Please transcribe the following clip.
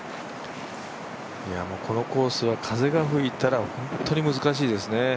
このコースは風が吹いたら本当に難しいですね。